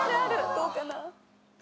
どうかな？